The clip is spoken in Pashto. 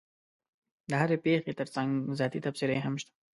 د هرې پېښې ترڅنګ ذاتي تبصرې هم شته.